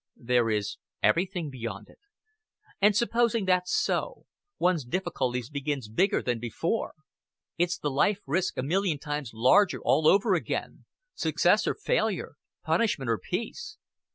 "There is everything beyond it." "And supposing that's so, one's difficulty begins bigger than before. It's the life risk a million times larger all over again success or failure, punishment or peace."